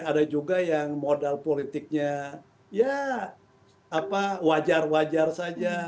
ada juga yang modal politiknya ya wajar wajar saja